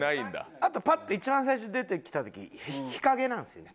あとパッて一番最初出てきた時日陰なんですよね